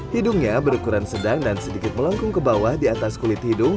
hidungnya berukuran sedang dan sedikit melengkung ke bawah di atas kulit hidung